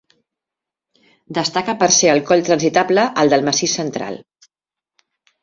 Destaca per ser el coll transitable al del Massís Central.